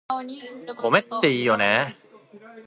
米っていいよね